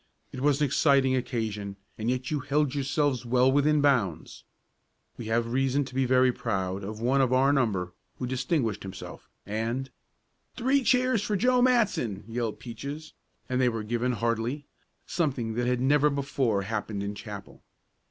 "It was an exciting occasion, and yet you held yourselves well within bounds. We have reason to be very proud of one of our number who distinguished himself, and " "Three cheers for Joe Matson!" yelled Peaches, and they were given heartily something that had never before happened in chapel.